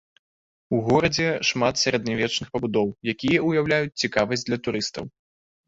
У горадзе шмат сярэднявечных пабудоў, якія ўяўляюць цікавасць для турыстаў.